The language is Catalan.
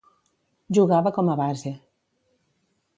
Jugava com a base.